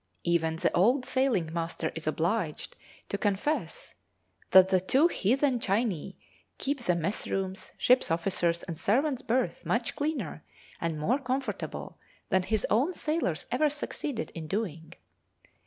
Even the old sailing master is obliged to confess that the two 'heathen Chinee' keep the mess rooms, ships' officers' and servants' berths much cleaner and more comfortable than his own sailors ever succeeded in doing.